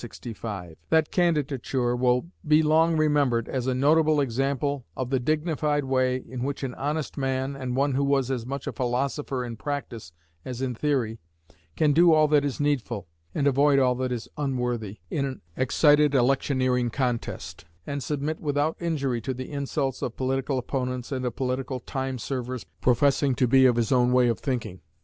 That candidature will be long remembered as a notable example of the dignified way in which an honest man, and one who was as much a philosopher in practice as in theory, can do all that is needful, and avoid all that is unworthy, in an excited electioneering contest, and submit without injury to the insults of political opponents and of political time servers professing to be of his own way of thinking.